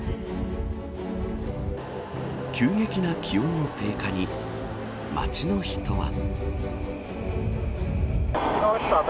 急激な気温の低下に街の人は。